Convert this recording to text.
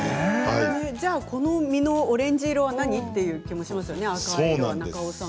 じゃあこの身のオレンジ色は何という気もしますよね。